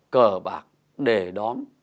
cờ bạc để đón